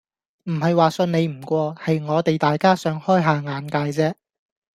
唔係話信你唔過，係我哋大家想開吓眼界啫